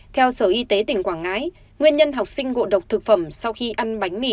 theo sở y tế tỉnh quảng ngãi nguyên nhân học sinh ngộ độc thực phẩm sau khi ăn bánh mì